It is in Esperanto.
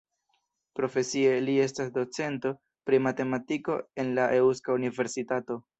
Profesie li estas docento pri matematiko en la Eŭska Universitato.